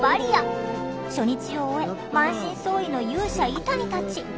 初日を終え満身創痍の勇者イタニたち。